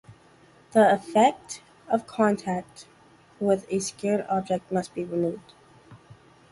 The effect of contact with a sacred object must be removed.